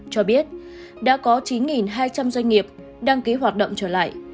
cho biết đã có chín hai trăm linh doanh nghiệp đăng ký hoạt động trở lại